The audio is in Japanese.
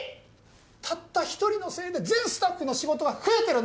たった一人のせいで全スタッフの仕事が増えてるんです。